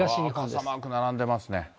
傘マーク並んでますね。